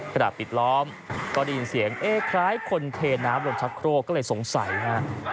ขณะปิดล้อมก็ได้ยินเสียงเอ๊ะคล้ายคนเทน้ำลงชักโครกก็เลยสงสัยฮะ